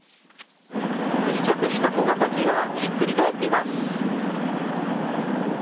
不時着した小型機がひっくり返っています。